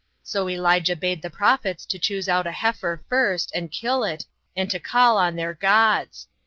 So Elijah bade the prophets to choose out a heifer first, and kill it, and to call on their gods.